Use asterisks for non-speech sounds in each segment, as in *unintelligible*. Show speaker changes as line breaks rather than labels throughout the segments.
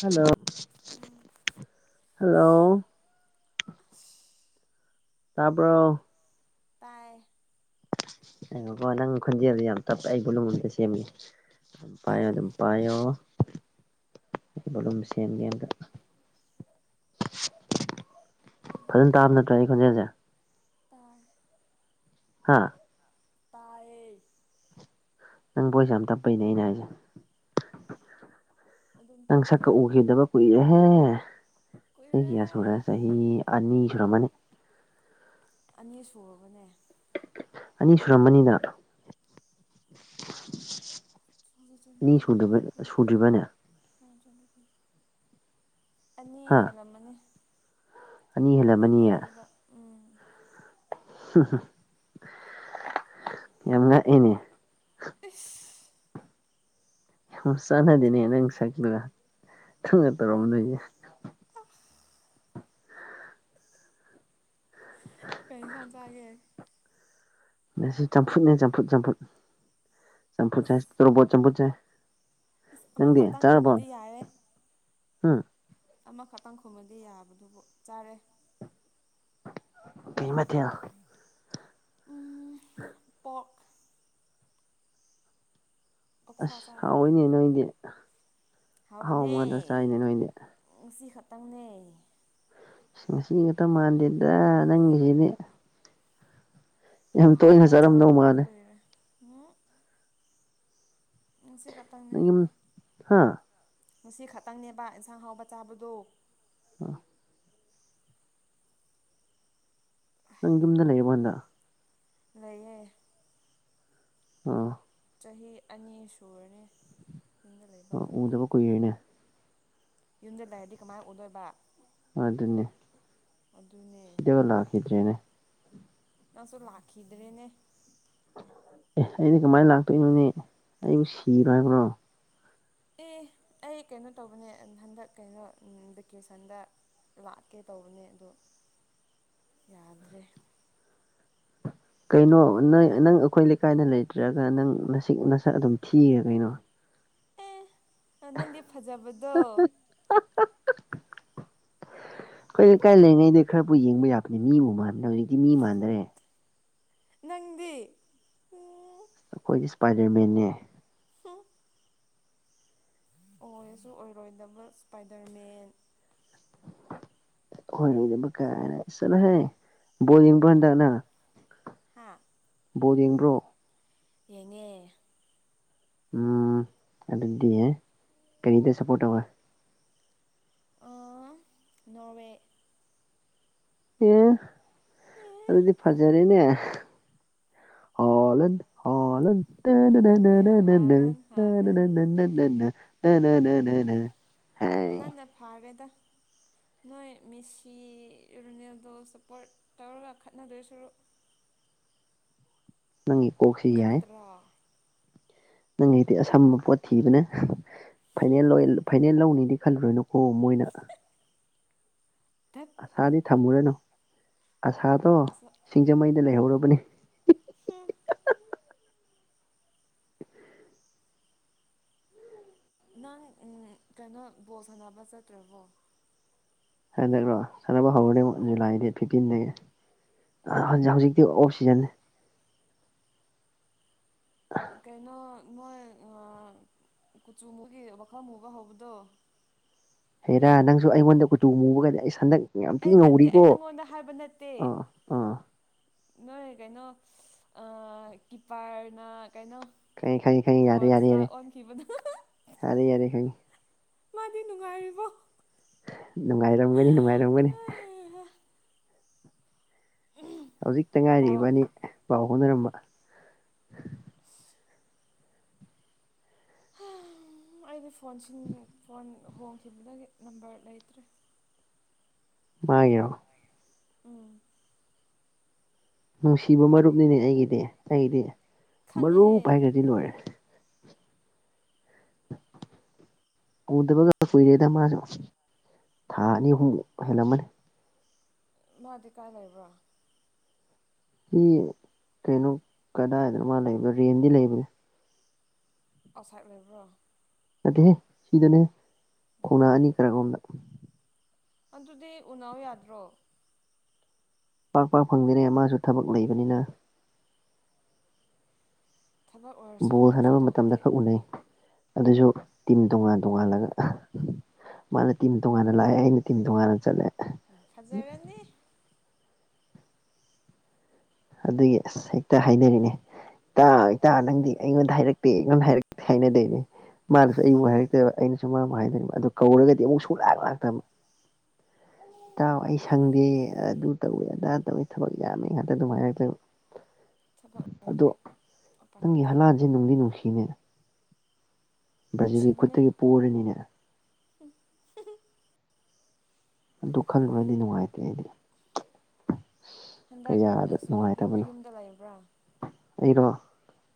hello
ꯎꯝ
hello ꯇꯥꯕꯔꯣ
ꯇꯥꯏ
ꯀ ꯅꯪ ꯈꯨꯟꯖꯦꯜꯗ ꯌꯥꯝ ꯇꯞ ꯑꯩ ꯕꯨꯣꯂꯨꯝꯗ ꯁꯦꯝꯒꯦ ꯆꯄꯌꯣ
ꯎꯝ
ꯆꯝꯄꯌꯣ ꯑꯩ ꯁꯦꯝꯦꯒꯌꯥꯒ ꯐꯖꯅ ꯇꯥꯕ ꯅꯠꯇ꯭ꯔꯣ ꯑꯩ ꯈꯣꯟꯖꯦꯜꯁꯦ
ꯇꯥꯏ
ꯍꯥꯥ
ꯇꯌꯦ
ꯅꯪ ꯕꯣꯏꯁ ꯌꯥꯝ ꯇꯞꯄꯩꯅꯦ ꯑꯩꯅ ꯍꯥꯏꯁꯦ
ꯑꯗꯨꯝ
ꯅꯪ ꯁꯛꯀ
ꯇꯞꯄꯅꯦ
ꯎꯈꯤꯗꯕ ꯀꯨꯏꯔꯦꯍꯦ ꯆꯍꯤ ꯀꯌꯥ ꯁꯨꯔ
ꯀꯨꯏꯔꯦ
ꯆꯍꯤ ꯑꯅꯤ ꯃꯅꯤ
ꯑꯅꯤ ꯁꯨꯔꯕꯅꯦ
ꯑꯅꯤ ꯁꯨꯔꯝꯕꯅꯤꯅ
ꯆꯖꯖ *unintelligible* *inaudible* ꯑꯅꯤ
ꯍꯥ
ꯍꯦꯜꯂꯝꯃꯅꯤ
ꯑꯅꯤ ꯍꯦꯜꯂꯝꯃꯅꯤꯌꯦ
ꯍꯦꯜꯂꯝꯃꯅꯤꯕ ꯎꯝ
ꯌꯥꯝꯅ ꯉꯛꯏꯅꯦ
*unintelligible* *inaudible*
ꯌꯥꯝ ꯆꯥꯟꯅꯗꯦꯅꯦ ꯅꯪ ꯁꯛꯂꯨꯒ ꯊꯪꯅ ꯇꯧꯔꯝꯕ ꯅꯣꯏꯁꯦ
ꯄꯦꯟꯁ ꯆꯒꯦ
ꯁꯤ ꯆꯝꯐꯨꯠꯅꯦ ꯆꯝꯐꯨꯠ ꯆꯝꯐꯨꯠ ꯆꯝꯐꯨꯠ ꯆꯥꯏ ꯇꯣꯕꯣꯠ ꯆꯝꯐꯨꯠꯁꯥꯏ
ꯏꯁꯁ ꯑꯃ ꯈꯇꯥꯡ ꯈꯨꯝꯃꯗꯤ ꯌꯥꯔꯦ
ꯍꯥꯥ
ꯑꯃꯈꯛꯇꯪ ꯈꯨꯝꯃꯗꯤ ꯌꯥꯕꯗꯨꯕꯨ ꯆꯥꯔꯦ
ꯀꯩ ꯃ ꯊꯌꯥ ꯎꯝ
ꯑꯣ ꯑꯣꯛꯁꯥ
ꯑꯁ ꯍ ꯑꯣꯏꯣꯏꯅꯦꯦ ꯅꯣꯏꯗꯦꯅꯦ
ꯍꯕꯅꯦ ꯉꯁꯤ ꯈꯛꯇꯪꯅꯦ
ꯉꯁꯤ ꯉꯛꯇ ꯃꯥꯟꯗꯦꯗ ꯅꯪꯒꯤꯁꯤꯅꯦ
ꯑꯍꯥꯎꯕ
ꯆꯥꯔꯝꯗꯧ
ꯆꯥꯗꯕ
ꯃꯥꯜꯂꯦ
ꯀꯨꯏꯔꯦ ꯎꯝ ꯉꯅꯨꯡ ꯁꯤ ꯀꯇꯪꯅꯦ
ꯍꯥꯥ
ꯉꯁꯤ ꯈꯛꯇꯪꯅꯦꯕ ꯏꯟꯁꯥꯡ ꯍꯥꯎꯕ ꯆꯥꯕꯗꯨ
ꯑ ꯅꯪ ꯌꯨꯝꯗ ꯂꯩꯌꯦꯕ ꯍꯟꯗ
ꯂꯩꯦ
ꯑꯥ
ꯆꯍꯤ ꯑꯅꯤ ꯁꯨꯔꯅꯤ ꯌꯨꯝꯗ ꯂꯩꯕ
ꯑ ꯎꯗꯕ ꯀꯣꯏ ꯑꯦꯅꯦ
ꯌꯨꯝꯁꯤꯜꯂꯔꯗꯤ ꯀꯃꯥꯏꯅ ꯎꯠꯗꯣꯏꯕ
ꯑꯗꯨ ꯑꯗꯨꯅꯦꯦ
ꯑꯗꯨꯝ
ꯁꯤꯗꯦꯒꯂ ꯍꯥꯀꯗ꯭ꯔꯦꯅꯦ
ꯅꯪꯁꯨ ꯂꯥꯛꯈꯤꯗ꯭ꯔꯦꯅꯦ
ꯑꯦ ꯑꯅꯦ ꯀꯃꯥꯏꯅ ꯂꯥꯛꯇꯣꯏꯅꯣꯅꯦ ꯑꯩꯕꯨ ꯁꯤꯕꯣ ꯍꯥꯏꯕꯅꯣ
ꯑꯦ ꯑꯩ ꯀꯩꯅꯣ ꯇꯧꯕꯅꯦ ꯍꯟꯗꯛ ꯀꯩꯅꯣ ꯚꯦꯀꯦꯁꯟꯗ ꯂꯥꯛꯀꯦ ꯇꯧꯕꯅꯦ ꯑꯣ ꯌꯥꯗ꯭ꯔꯦ
ꯀꯩꯅꯣ ꯅ ꯅꯪ ꯑꯩꯈꯣꯏ ꯂꯩꯀꯥꯏꯗ ꯂꯩꯇ꯭ꯔꯒ ꯅꯪꯁꯤꯛ ꯅꯁꯛ ꯑꯗꯨꯝ ꯊꯤꯔꯦ ꯀꯩꯅꯣ
ꯑꯦ ꯅꯪꯗꯤ ꯐꯖꯕꯗꯣ
*inaudible* ꯑꯩꯈꯣꯏ ꯂꯩꯀꯥꯏ ꯂꯩꯔꯤꯉꯩꯗ ꯈꯔꯕꯨ ꯌꯦꯡꯕ ꯌꯥꯕꯅꯦ ꯃꯤꯕꯨ ꯃꯥꯟꯕꯗ ꯍꯧꯖꯤꯛꯇꯤ ꯃꯤ ꯃꯥꯟꯗꯔꯦ
ꯅꯪꯗꯤ ꯎ
ꯑꯩꯈꯣꯏꯗꯤ ꯏꯁꯄꯥꯏꯗꯔ ꯃꯦꯦ
ꯑꯣꯏꯔꯁꯨ ꯑꯣꯏꯔꯣꯏꯗꯕ ꯏꯁꯄꯥꯏꯗꯔꯃꯦꯟ
ꯍꯣꯏꯗꯕ ꯀꯥꯏꯅ ꯆꯠꯅ ꯍꯥꯏ ꯕꯣ ꯌꯦꯡꯕ ꯍꯟꯗꯛꯅ
ꯍꯥꯥ
ꯕꯣ ꯌꯦꯡꯕ꯭ꯔꯣ
ꯌꯦꯡꯉꯦ
ꯎꯝ ꯑꯗꯨꯗꯤꯦ ꯀꯔꯤꯗ ꯁꯄꯣꯔꯠ ꯇꯧꯕ
ꯅꯣꯔꯋꯦ
ꯑꯦ ꯑꯗꯨꯗꯤ ꯐꯖꯔꯦꯅꯦ ꯍ ꯑꯂꯟ ꯍ ꯑꯂꯟ ꯇꯅꯦꯅꯦ ꯅ
ꯑꯗꯨꯅꯦ
ꯅ ꯅꯅꯦ
ꯍꯥꯂꯟ
ꯇꯅꯦꯅꯦ
ꯍꯥꯂꯟ
ꯅ ꯅ ꯅꯅꯦ ꯅ ꯅꯦꯅꯦ
ꯍꯜ ꯍꯟꯟꯅ ꯐꯔꯦꯗ
*inaudible*
ꯅꯣꯏ ꯃꯤꯁꯤ ꯔꯣꯅꯦꯜꯗꯣ ꯁꯞꯄꯣꯔꯠ ꯇꯧꯔꯒ ꯈꯠꯅꯗꯣꯏ ꯁꯔꯨ
*inaudible* ꯅꯪꯒꯤ ꯀꯣꯛꯁꯤ ꯌꯥꯏ
ꯅꯠꯇ꯭ꯔꯣ
ꯅꯪ ꯍꯥꯏꯛꯇꯤ ꯑꯁꯝꯕ ꯄꯣꯠ ꯊꯤꯕꯅꯦ ꯐꯥꯏꯅꯦꯜ ꯐꯥꯏꯅꯦꯜ ꯂꯧꯅꯤꯗꯤ ꯈꯜꯂꯨꯔꯣꯏꯅꯨꯀꯣ ꯃꯣꯏ ꯑꯣꯏꯅ
ꯗꯠ
ꯑꯁꯥꯗꯤ ꯊꯝꯃꯨꯔꯅꯨ ꯑꯁꯥꯗꯣ
ꯑꯁ
ꯁꯤꯡꯖꯃꯩꯗ ꯂꯩꯍꯧꯔꯕꯅꯦ
ꯍꯨꯝ ꯅꯪ ꯀꯩꯅꯣ ꯕꯣꯁ ꯁꯥꯟꯅꯕ ꯆꯠꯇ꯭ꯔꯕꯣ
ꯍꯗ꯭ꯔꯣ ꯁꯥꯟꯅꯕ ꯍꯧꯔꯦꯛ ꯖꯨꯂꯥꯏꯗ ꯐꯤꯞꯇꯤꯟꯗꯒꯤ ꯍꯧꯖꯤꯛ ꯍꯧꯖꯤꯛꯇꯤ ꯑꯣꯞꯁꯤꯖꯟꯅꯦ
ꯀꯩꯅꯣ ꯃꯣꯏ ꯑ ꯀꯨꯆꯨ ꯃꯒꯤ ꯋꯥꯈꯜ ꯃꯨꯕ ꯍꯧꯕꯗꯣ
ꯍꯔꯥ ꯅꯪꯁꯨ ꯑꯩꯉꯣꯟꯗ ꯀꯆꯨ ꯃꯨꯕꯒꯩꯗꯤ ꯑꯩ ꯁꯟꯗꯛ
ꯑꯩ ꯅꯠꯇꯦ ꯑꯩ ꯅꯪꯉꯣꯟꯗ ꯍꯥꯏꯕ ꯅꯠꯇꯦ
ꯑꯥ ꯑꯥ
ꯅꯣꯏ ꯀꯩꯅꯣ ꯑ ꯀꯤꯄꯔꯅ
ꯈ ꯈꯥꯏ ꯈꯥꯏ ꯌꯥꯔꯦ ꯌꯥꯔꯦ ꯌꯥꯔꯦ
ꯑꯣꯟꯈꯤꯕꯗꯣ
ꯌꯥꯔꯦ ꯌꯥꯔꯦ ꯈ
ꯃꯥꯗꯤ ꯅꯨꯡꯉꯥꯏꯔꯤꯕꯣ
ꯅꯨꯡꯉꯥꯏꯔꯝꯒꯅꯤ ꯅꯨꯡꯉꯥꯏꯔꯝꯒꯅꯤ ꯍꯧꯖꯤꯛꯇ
ꯄꯥꯎ
ꯉꯥꯏꯔꯕꯥꯅꯤ ꯄꯥꯎ ꯍꯣꯅꯔꯝꯕ *inaudible*
ꯑꯩꯗꯤ ꯐꯣꯟ ꯐꯣꯟ ꯍꯣꯡꯈꯤꯕꯗꯒꯤ ꯅꯝꯕꯔ ꯂꯩꯇ꯭ꯔꯦ
ꯃꯥꯒꯤꯣ
ꯎꯝ
ꯅꯨꯡꯁꯤꯕ ꯃꯔꯨꯞꯅꯤꯅꯦ ꯑꯩꯒꯤꯗꯤ ꯑꯩꯒꯤꯗꯤ
ꯈꯪꯉꯦꯍꯦ
ꯃꯔꯨꯞ ꯍꯥꯏꯈ꯭ꯔꯗꯤ ꯂꯣꯏꯔꯦ *inaudible* ꯎꯗꯕꯒ ꯀꯨꯏꯔꯦꯗ ꯃꯥꯁꯨ ꯊꯥ ꯑꯅꯤ ꯑꯍꯨꯝꯛ ꯍꯦꯜꯂꯝꯃꯅꯤ
ꯃꯥꯗꯤ ꯀꯥꯏ ꯂꯩꯕ꯭ꯔꯣ
ꯁꯤ ꯀꯩꯅꯣ ꯀꯗꯥꯏꯗꯅꯣ ꯃꯥ ꯂꯩꯕꯅꯣ ꯔꯦꯟꯗꯤ ꯂꯩꯕꯅꯤ
ꯑꯁꯥꯏ ꯂꯩꯕ꯭ꯔꯣ
ꯅꯠꯇꯦꯍꯦ ꯁꯤꯗꯅꯦ ꯀꯧꯅꯥ ꯑꯅꯤ ꯈꯔꯔꯣꯝꯗ
ꯑꯗꯨꯗꯤ ꯎꯅꯥꯎ ꯌꯥꯗ꯭ꯔꯣ
ꯄꯥꯛ ꯄꯥꯛ ꯐꯪꯗꯔꯦ ꯃꯥꯁꯨ ꯊꯕꯛ ꯂꯩꯕꯅꯤꯅ
ꯊꯕꯛ ꯑꯣꯏꯔꯁꯨ
ꯕꯣꯜ
ꯅꯣꯡ
ꯁꯥꯟꯅꯕ ꯃꯇꯝꯗ
ꯐꯥꯗꯣꯛꯇꯤ
ꯈꯛ ꯎꯅꯩ ꯑꯗꯨꯁꯨ ꯇꯤꯝ ꯇꯣꯉꯥꯟ ꯇꯣꯉꯥꯜꯂꯒ ꯃꯥꯅ ꯇꯤꯝ ꯇꯣꯉꯥꯟꯅ ꯂꯥꯛꯑꯦ ꯑꯩꯅ ꯇꯤꯝ ꯇꯣꯉꯥꯟꯅ ꯆꯠꯂꯦ
ꯎ ꯐꯖꯔꯅꯤ
ꯑꯗꯨꯒꯤ ꯑꯁ ꯍꯦꯛꯇ ꯍꯥꯏꯅꯔꯤꯅꯦ ꯇꯥ ꯏꯇꯥ ꯅꯪꯗꯤ ꯑꯩꯉꯣꯟꯗ ꯍꯥꯏꯔꯛꯇꯦ ꯑꯩꯉꯣꯟꯗ ꯍꯥꯏꯔꯛꯇꯦ ꯍꯥꯏꯅꯗꯣꯏꯅꯦ ꯃꯥꯗꯨꯁꯨ
ꯏꯁ
ꯑꯩꯕꯨꯨꯛ ꯍꯥꯏꯔꯛꯇꯕ ꯑꯩꯅꯁꯨ ꯃꯥꯕꯨ ꯍꯥꯏꯗꯣꯏꯔꯤꯕ ꯑꯗꯨ ꯀꯧꯔꯒꯗꯤ ꯑꯃꯨꯛ ꯁ ꯂꯥꯛ ꯂꯥꯛꯇꯕ ꯇꯥꯎ ꯑꯩ ꯁꯪꯗꯦ ꯑꯗꯨ ꯇꯧꯋꯦ ꯑꯗꯥ ꯇꯧꯋꯤ ꯊꯕꯛ ꯌꯥꯝꯃꯤ ꯉꯥꯛꯇ ꯑꯗꯨꯃꯥꯏꯅ
ꯊꯕꯛ
ꯑꯗꯣ
ꯑꯣꯏꯔꯗꯤ ꯎꯄꯥꯏ
ꯅꯪꯒꯤ
ꯂꯩꯇꯦ
ꯍꯂꯥꯟꯁꯦ ꯅꯨꯡꯗꯤ ꯅꯨꯡꯁꯤꯅꯦ ꯕ꯭ꯔꯥꯖꯤꯜꯒꯤ
ꯅꯨꯡꯁꯤꯕꯅꯦ
ꯈꯨꯠꯇꯒꯤ ꯄꯔꯅꯤꯅꯦ
*inaudible*
ꯑꯗꯨ ꯈꯟꯕꯗꯤ ꯅꯨꯡꯉꯥꯏꯇꯦ ꯑꯩꯗꯤ
ꯍꯟꯗꯛ
ꯀꯌꯥꯗ
ꯑꯁ
ꯅꯨꯡꯉꯥꯏꯇꯕꯅꯣ
ꯌꯨꯝꯗ ꯂꯩꯕ꯭ꯔꯥ
ꯑꯩꯔꯣ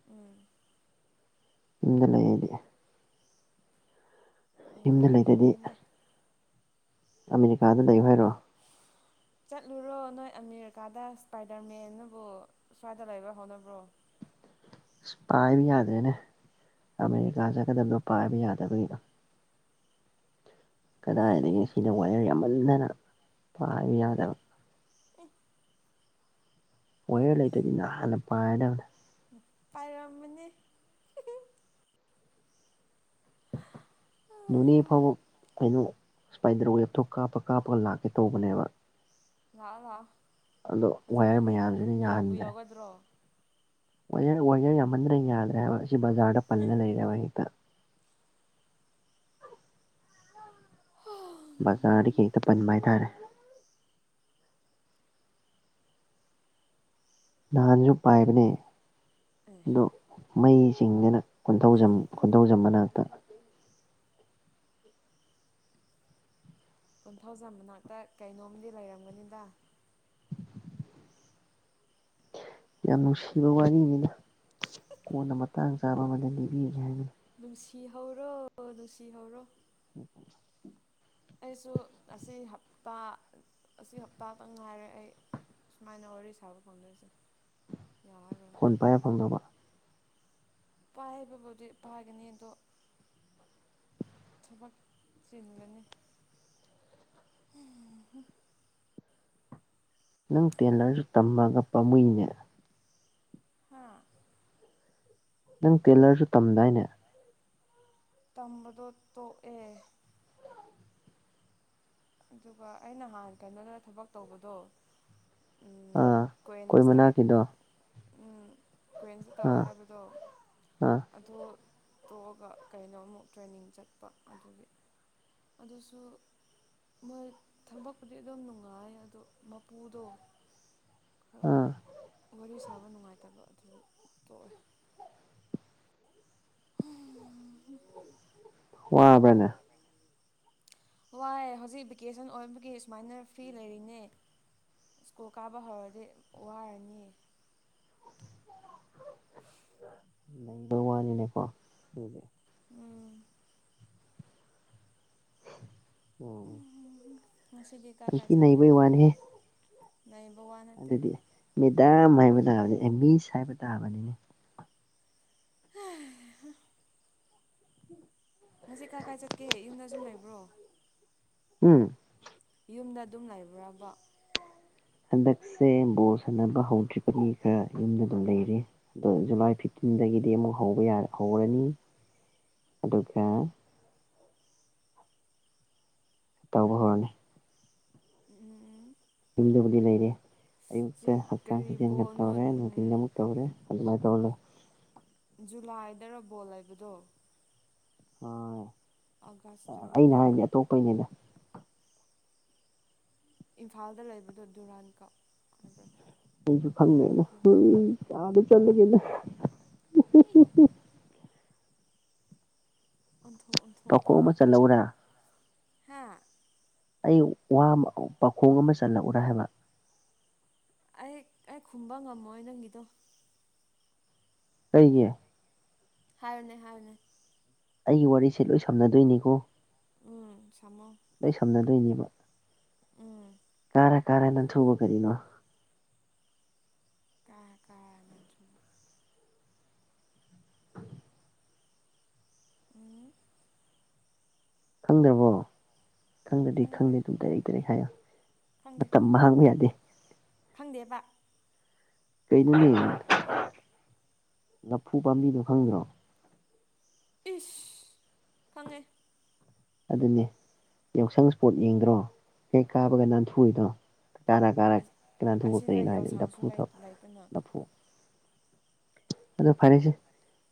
ꯎꯝ
ꯏꯗ ꯂꯩ ꯌꯦꯗꯤ ꯌꯨꯝꯗ ꯂꯩꯇꯗꯤ
ꯅꯨꯡꯉꯥꯏꯔꯝꯒꯅꯤꯅꯦ
ꯑꯃꯦꯔꯤꯀꯥꯗ ꯂꯩꯌꯣ ꯍꯥꯏꯔꯣ
ꯆꯠꯂꯨꯔꯣ ꯅꯣꯏ ꯑꯃꯦꯔꯤꯀꯥꯗ ꯏꯁꯄꯥꯏꯗꯔꯃꯦꯟꯅꯕꯨ ꯁ꯭ꯋꯥꯏꯗ ꯂꯩꯕ ꯍꯧꯥꯎꯅꯕ꯭ꯔꯣ
ꯄꯥꯏꯕꯤ ꯌꯥꯗꯦꯅꯦ ꯑꯦꯔꯤꯀꯥ ꯆ ꯀꯗꯗ ꯄꯕꯤ ꯌꯥꯗꯈꯗ ꯀꯗꯥꯏꯗꯒꯤ ꯁꯤꯗ ꯋꯥꯌꯔ ꯌꯥꯝꯃꯟꯗꯅ ꯄꯥꯕ ꯌꯥꯗꯕ
ꯑ
ꯍꯔ ꯂꯩꯇꯗꯤ ꯅꯍ ꯍꯥꯟꯅ ꯄꯥꯏꯔꯗꯕꯅꯦ
ꯄꯥꯏꯔꯝꯃꯅꯤ
ꯅꯅꯦ
ꯂꯥꯛꯑꯣ
ꯐꯥꯎ ꯀꯩꯅꯣ ꯏꯁꯄꯥꯏꯗꯔ ꯋꯦꯞꯇꯣ ꯀꯥꯞꯄ ꯀꯥꯞꯄꯒ ꯂꯥꯛꯀꯦ ꯇꯧꯕꯅꯦꯕ
ꯂꯥꯛꯑꫭ ꯂꯥꯛꯑꫭ
ꯑꯗꯣ ꯋꯥꯌꯔ ꯃꯌꯥꯝꯁꯤꯅ ꯌꯥꯍꯟꯗ꯭ꯔꯦ
ꯌꯥꯎꯒꯗ꯭ꯔꯣ
ꯋ‌ꯦꯌꯔ ꯋ‌ꯦꯌꯔ ꯌꯥꯝꯃꯟꯗ꯭ꯔꯦ ꯌꯥꯗ꯭ꯔꯦ ꯍꯥꯏꯕ ꯁꯤ ꯕꯖꯥꯔꯗ ꯄꯜꯂ ꯂꯩꯔꯦ ꯋꯥꯍꯤꯇ ꯕꯖꯔꯗꯤꯀꯩꯇ ꯄꯟꯕ ꯍꯏꯇꯥꯥꯔꯦ ꯅꯍꯥꯟꯁꯨ ꯄꯥꯏꯕꯅꯦ
ꯑꯦ
ꯑꯗꯣ ꯃꯩꯁꯤꯡꯗꯅ ꯈꯨꯟꯊꯧꯖꯝ ꯈꯨꯟꯊꯧꯖꯝ ꯃꯅ
ꯀꯣꯟꯊꯧꯖꯝ ꯃꯅꯥꯛꯇ ꯀꯩꯅꯣꯝꯗꯤ ꯂꯩꯔꯝꯒꯅꯤꯗ
ꯌꯥꯝ ꯅꯨꯡꯁꯤꯕ ꯋꯥꯔꯤꯅꯤꯗ ꯀꯣꯟꯅ ꯃꯇꯥꯡ ꯆꯥꯕ ꯑꯃꯗ ꯂꯤꯕꯤꯒꯦ ꯍꯥꯏꯕꯅꯤ
ꯅꯨꯡꯁꯤ ꯍꯧꯔꯣ ꯅꯨꯡꯁꯤ ꯍꯧꯔꯣ ꯑꯩꯁꯨ ꯉꯁꯤ ꯍꯞꯇꯥ ꯑꯁꯤ ꯍꯞꯇꯥꯗ ꯉꯥꯏꯔꯦ ꯑꯩ ꯁꯨꯃꯥꯏꯅ ꯋꯥꯔꯤ ꯁꯥꯕ ꯐꯪꯗꯣꯏꯁꯦ ꯌꯥ
ꯐꯣꯟ ꯄꯥꯏ ꯐꯪꯗꯧꯕ
ꯄꯥꯏꯕꯕꯨꯗꯤ ꯄꯥꯏꯒꯅꯤ ꯑꯗꯣ ꯊꯕꯛ ꯆꯤꯜꯂꯅꯤ
*unintelligible* ꯅꯪ ꯇꯦꯂꯔꯁꯨ ꯇꯝꯃꯒ ꯄꯥꯝꯃꯨꯏꯅꯦ
ꯍꯥ
ꯅꯪ ꯇꯦꯂꯔꯁꯨ ꯇꯝꯗꯥꯏꯅꯦ
ꯇꯝꯕꯗꯣ ꯇꯣꯛꯑꯦ ꯑꯗꯨꯒ ꯑꯩꯅ ꯅꯍꯥꯟ ꯀꯩꯅꯣꯗ ꯊꯕꯛ ꯇꯧꯕꯗꯣ ꯑꯝ
ꯑꯥ ꯑꯩꯈꯣꯏ
ꯀꯣꯏꯟꯁꯇꯠ
ꯃꯅꯥꯛꯀꯤꯗꯣ
ꯀꯨꯋꯦꯟꯇ ꯇꯧꯋꯦ
ꯑꯥ
ꯍꯥꯏꯕꯗꯣ
ꯑꯥ
ꯑꯗꫭ ꯇꯣꯛꯑꯒ ꯀꯩꯅꯣꯃꯨꯛ ꯇ꯭ꯔꯦꯅꯤꯡ ꯆꯠꯄ ꯑꯗꯨꯒꯤ ꯑꯗꯨꯁꯨ ꯃꯣꯏ ꯊꯕꯛꯄꯨꯗꯤ ꯑꯗꯨꯝ ꯅꯨꯡꯉꯥꯏ ꯑꯗꯣ ꯃꯄꯨꯗꯣ
ꯑ
ꯐꯥꯕ ꯅꯨꯡꯉꯥꯏꯇꯕ ꯑꯗꯨꯒꯤ ꯇꯣꯛꯑꯦ
ꯋꯥꯕꯅꯦ
ꯋꯥꯏ ꯍꯧꯖꯤꯛ ꯚꯦꯀꯦꯁꯟ ꯑꯣꯏꯕꯒꯤ ꯁꯨꯃꯥꯏꯅ ꯐ‍꯭ꫪꯤ ꯂꯩꯔꯤꯅꯦ ꯁ꯭ꯀꯨꯜ ꯀꯥꯕ ꯍꯧꯔꯗꯤ ꯋꯥꯔꯅꯤ
ꯂꯩꯕ ꯋꯥꯅꯤꯅꯦꯀꯣ ꯑꯗꯨꯗꯤ
ꯎꯝ
ꯎꯝ
ꯉꯁꯤꯗꯤ ꯀꯥꯏ ꯀꯥꯏ
ꯑꯁꯨ
ꯆꯠꯀꯦ
ꯅꯩꯕꯩ ꯋꯥꯅꯦ
ꯂꯩꯕ ꯋꯥ ꯅꯠꯇꯦ
ꯑꯗꯨꯗꯤ ꯃꯦꯗꯥꯝ ꯍꯥꯏꯕ ꯇꯥꯕꯗꯤ ꯑ‌ꯦ ꯃꯤꯁ ꯍꯥꯏꯕ ꯇꯥꯕꯅꯤꯅꯦ
ꯉꯁꯤ ꯀꯥꯏ ꯀꯥꯏ ꯆꯠꯀꯦ ꯌꯨꯝꯗ ꯁꯨꯝ ꯂꯩꯕ꯭ꯔꯣ
ꯎꯝ
ꯌꯨꯝꯗ ꯑꯗꯨꯝ ꯂꯩꯕ꯭ꯔꯕ
ꯍꯟꯗꯛꯁꯦ ꯕꯣ ꯁꯥꯟꯅꯕ ꯍꯧꯈꯤꯕꯒꯨꯝ ꯈꫪ ꯌꯨꯝꯗ ꯑꯗꯨꯝ ꯂꯩꯔꯤ ꯑꯗꯣ ꯖꯨꯂꯥꯏ ꯐꯤꯞ ꯌꯨꯝꯗꯒꯤꯗꯤ ꯑꯃꯨꯛ ꯍꯧꯕ ꯌꯥ ꯍꯧꯔꯅꯤ ꯑꯗꯨꯒ ꯇꯧꯕ ꯍꯧꯔꯅꯤ
ꯎꯝ
ꯌꯨꯝꯗꯕꯨꯗꯤ ꯂꯩꯔꯦ ꯑꯌꯨꯛꯇ
ꯆꯦ
ꯍꯛꯆꯥꯡ
ꯀꯔꯤ
ꯁꯥꯖꯦꯜꯒ
ꯕꯣꯜꯅꯣ
ꯇꯧꯔꯦ ꯅꯨꯡꯊꯤꯟꯗ ꯑꯃꯨꯛ ꯇꯧꯔꯦ ꯑꯗꯨꯌꯥꯏ ꯇꯩꫪꯥꯃꯨ
ꯖꯨꯂꯥꯏꯗꫪꫭ ꯕꯣꯜ ꯂꯩꯏꯕꯗꯣ
ꯍ ꯑꯩꯅ ꯍꯥꯏꯖꯤ ꯑꯇꯣꯞꯄꯩꯅꯦꯗ
ꯏꯝꯐꯥꯜꯗ ꯂꯩꯕꯗꯣ ꯗꯨꯔꯥꯟꯀꯞ ꯍꯥꯏꯕ꯭ꯔꯣ
ꯁꯨꯨ ꯐꯥꯟꯃꯦꯅ ꯑꯥꯗ ꯆꯠꯂꯒꯩꯅ
ꯑꯣꯟꯊꯣꯛ
ꯄꯈꯨꯝ ꯑꯃ ꯆꯜꯂꯧꯔ
ꯍꯥꯥ
ꯑꯩ ꯋꯥ ꯄꯥꯈꯣꯡ ꯑꯃ ꯆꯜꯂꯛꯎꯨꯔꯥ ꯍꯥꯏꯕ
ꯑꯩ ꯑꯩ ꯈꯨꯝꯕ ꯉꯝꯃꯣꯏ ꯅꯪꯒꯤꯗꯣ
ꯀꯩꯒꯤ
ꯍꯥꯏꯅꯦ ꯍꯥꯏꯅꯦ
ꯑꯩꯒꯤ ꯋꯥꯔꯤꯁꯦ ꯂꯣꯏ ꯁꯝꯅꯗꯣꯏꯅꯤꯀꯣ
ꯎꯝ ꯁꯃꯣ
ꯑꯩ ꯁꯝꯅꯗꯣꯏꯅꯦꯕ
ꯎꯝ
ꯀꯥꯔ ꯀꯔꯦ ꯅ ꯊꯨꯕ ꯀꯔꯤꯅꯣ
ꯀ ꯀꯥꯥ ꯂ ꯎꯝ
ꯈꯪꯗ꯭ꯔꯕꯣ ꯈꯪꯗ꯭ꯔꯗꯤ ꯈꯪꯗꯦ ꯑꯗꯨꯝ ꯇꯔꯦꯠ ꯇꯔꯦꯠ ꯍꯥꯏꯌꯣ
ꯈꯪꯗꯦ
ꯃꯇꯝ
ꯈꯪꯗꯦ
ꯃꯥꯡꯕ
ꯈꯪꯗꯦ
ꯌꯥꯗꯦ
ꯈꯪꯗꯦꯕꯕꯥ
ꯀꯩꯅꯣꯅꯦ ꯂꯐꯨ ꯄꯥꯝꯕꯤꯗꯣ ꯈꯪꯗ꯭ꯔꯣ
ꯏꯁ ꯐꯪꯉꯦ
ꯑꯗꯨꯅꯦ ꯌꯥꯎꯁꯪ ꯏꯁꯄꯣꯠ ꯌꯦꯡꯗ꯭ꯔꯣ ꯍꯦꯛ ꯀꯥꯕꯒ ꯅꯥꯟꯊꯨꯔꯤꯗꯣ ꯀꯥꯔ ꯀꯥꯔ ꯀꯅꯥ
ꯑꯁꯤꯗ
ꯊꯣꯛꯀꯔꯤꯅꯣ ꯍꯥꯏꯗꯤ
ꯌꯥꯎꯁꯪꯁꯨ
ꯅꯐꯨ
ꯂꯩꯇꯅ
ꯅꯐꯨ ꯑꯗꯣ ꯐꯔꯦꯁꯦ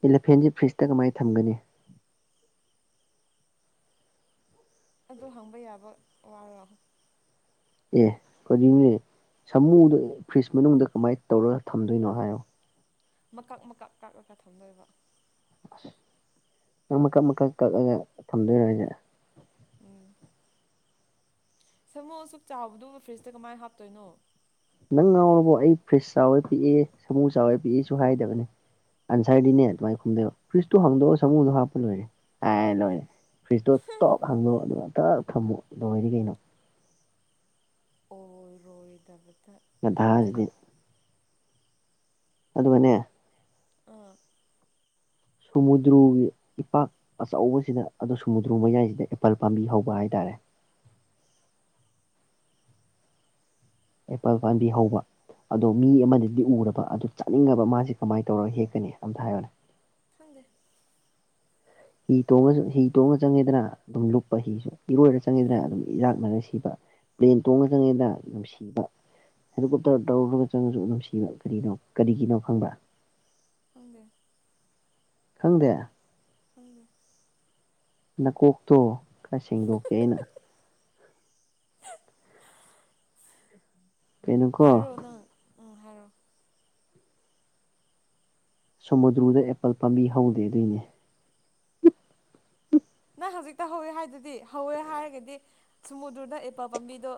ꯏꯂꯐꯦꯟꯁꯦ ꯐ꯭ꯔꯤꯖꯇ ꯀꯃꯥꯏꯅ ꯊꯝꯒꯅꯤ *inaudible*
ꯑꯗꯨ ꯍꯪꯕ ꯌꯥꯕ ꯋꯥꯔꯣ
ꯑꯦ ꯑꯣꯏꯝꯅꯦ ꯁꯥꯃꯨꯗꯨꯣ ꯐ꯭ꯔꯤꯖ ꯃꯅꯨꯡꯗ ꯀꯃꯥꯏꯅ ꯇꯧꯔꯒ ꯊꯝꯗꯣꯏꯅꯣ ꯍꯥꯏꯌꯣ
ꯃꯀꯛ ꯃꯀꯛ ꯀꯥꯛꯂꯒ ꯊꯝꯗꯣꯏꯕ
ꯅꯪ ꯃꯀꯛ ꯃꯀꯛ ꯀꯛꯂꯒ ꯊꯝꯗꯣꯏꯔꯣꯁ
ꯎꯝ ꯁꯃꯣ ꯑꯁꯨꯛ ꯆꯥꯎꯕꯗꯨ ꯐ꯭ꯔꯤꯖꯇ ꯀꯃꯥꯏꯅ ꯍꯥꯞꯇꯣꯏꯅꯣ
ꯅꯪ ꯉꯥꯎꯔꯕꯣ ꯑꯩ ꯐ꯭ꯔꯤꯖ ꯆꯥꯎꯕꯦ ꯄꯤꯛꯑꯦ ꯁꯃꯨ ꯆꯥꯎꯋꯦ ꯄꯤꯛꯑꯦꯁꯨ ꯍꯥꯏꯗꯕꯅꯦ ꯑꯟꯁꯔꯗꯤꯅꯦ ꯑꯗꯨꯃꯥꯏꯅ ꯈꯨꯝꯗꯣ ꯐ꯭ꯔꯤꯁꯇꯨ ꯍꯥꯡꯗꯣꯛꯑꯣ ꯁꯃꯨꯗꯣ ꯍꯥꯞꯄ ꯂꯣꯏꯔꯦ ꯑꯦ ꯂꯣꯏꯔꯦ ꯐ꯭ꯔꯤꯖꯇꯣ ꯇꯞ ꯍꯥꯡꯗꯣꯑꯣ ꯑꯗꯨꯒ ꯑꯇ ꯊꯝꯃꯣ ꯑꯗꯨ ꯑꯣꯏꯗꯤ ꯀꯩꯅꯣ
ꯑꯣ ꯔꯣꯏꯣꯏꯗꯕ
ꯗꯥꯖꯗꯤ ꯑꯗꯨꯗ ꯃꯅꯦꯦ
ꯎ
ꯁꯨꯃꯨꯗ꯭ꯔꯨꯒꯤ ꯏꯄꯥꯛ ꯑꯆꯧꯕꯁꯤꯗ ꯑꯣ ꯁꯨꯃꯨꯗ꯭ꯔꯨ ꯃꯌꯥꯏꯁꯤꯗ ꯑꯦꯄꯜ ꯄꯥꯝꯕꯤ ꯍꯧꯕ ꯍꯥꯏꯇꯥꯔꯦ *inaudible* ꯑꯦꯄꯥꯜ ꯄꯥꯝꯕꯤ ꯍꯧꯕ ꯑꯗꯣ ꯃꯤ ꯑꯃꯗꯗꯤ ꯎꯔꯕ ꯑꯗꯨ ꯆꯥꯅꯤꯡꯉꯕ ꯃꯥꯁꯦ ꯀꯃꯥꯏꯅ ꯇꯧꯔꯒ ꯍꯦꯛꯀꯅꯤ ꯑꯝꯇ ꯍꯥꯏꯌꯅꯦ
ꯊꯪꯗꯦ
ꯍꯤ ꯇꯣꯡꯉꯁꯨ ꯍꯤ ꯇꯣꯡꯉ ꯆꯪꯉꯤꯗꯅ ꯑꯗꯨꯝ ꯂꯨꯞꯄ ꯍꯤꯁꯨ ꯏꯔꯣꯏꯔ ꯆꯪꯉꯤꯗꯅ ꯑꯗꯨꯝ ꯏꯔꯥꯛꯅꯔ ꯁꯤꯕ ꯄ꯭ꯂꯦꯟ ꯇꯣꯡꯉ ꯆꯪꯉꯦꯗ ꯅꯨꯡꯁꯤꯕ ꯍꯦꯂꯤꯀꯣꯞꯇꯔ ꯇꯧꯔꯒ ꯆꯪꯉꯁꯨ ꯅꯨꯡꯁꯤꯕ ꯀꯔꯤꯅꯣ ꯀꯔꯤꯒꯤꯅꯣ ꯈꯪꯕ꯭ꯔꯥ
ꯀꯣꯡꯒꯦ
ꯈꯪꯗꯦ
ꯍꯅꯦ
ꯅꯀꯣꯛꯇꯣ ꯈꯔ ꯁꯦꯡꯗꯣꯛꯀꯦ ꯑꯩꯅ ꯀꯩꯅꯩꯅ
ꯔꯣ ꯅꯪ ꯎ
ꯁꯃꯨꯗ꯭ꯔꯨꯗ ꯑꯦꯄꯜ ꯄꯥꯝꯕꯤ ꯍꯧꯗꯦ ꯑꯗꯨꯣꯏꯅꯦ
ꯑ ꯍꯧꯖꯤꯛꯇ ꯍꯧꯋꯦ ꯍꯥꯏꯗꯨꯗꯤ ꯍꯧꯋꯦ ꯍꯥꯏꯔꯒꯗꯤ ꯁꯨꯃꯨꯗ꯭ꯔꯗ ꯑꯦꯄꯜ ꯄꯥꯝꯕꯤꯗꯣ